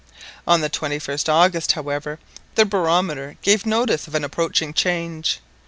On the 21st August, however, the barometer gave notice of an approaching change.